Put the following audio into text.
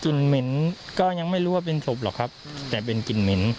เหม็นก็ยังไม่รู้ว่าเป็นศพหรอกครับแต่เป็นกลิ่นเหม็น